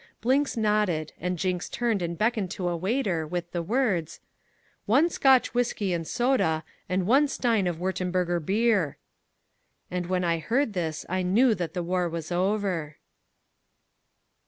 Blinks nodded, and Jinks turned and beckoned to a waiter, with the words, "One Scotch whiskey and soda, and one stein of Wurtemburger Bier " And when I heard this, I knew that the war was over.